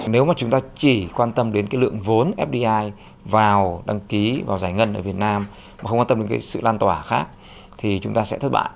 nếu mà chúng ta chỉ quan tâm đến cái lượng vốn fdi vào đăng ký và giải ngân ở việt nam mà không quan tâm đến cái sự lan tỏa khác thì chúng ta sẽ thất bại